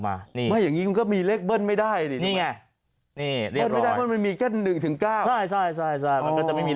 มานี่มันก็มีเลขเบิ้ลไม่ได้นี่ไงมันมีแค่๑๙มันจะไม่มี